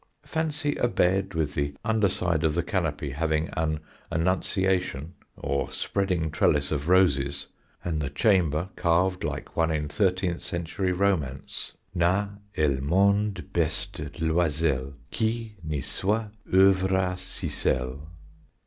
Fancy a bed with the underside of the canopy having an Annunciation or spreading trellis of roses, and the chamber carved like one in thirteenth century romance: "N'a el monde beste n'oisel Qui n'i soit ovré à cisel."